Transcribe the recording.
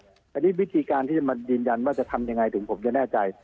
อันนี้วิธีการที่จะมายืนยันว่าจะทำยังไงถึงผมจะแน่ใจ